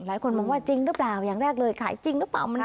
หลายคนมองว่าจริงหรือเปล่าอย่างแรกเลยขายจริงหรือเปล่า